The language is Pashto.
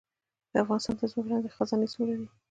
د افغانستان تر ځمکې لاندې خزانې څومره دي؟